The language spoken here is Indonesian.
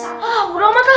ah burung mata